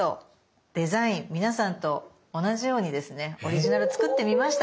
デザイン皆さんと同じようにですねオリジナル作ってみました。